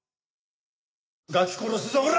ガキ殺すぞオラ！